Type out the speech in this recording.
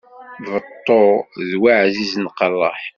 Beṭṭu d wi ɛzizen qeṛṛeḥ.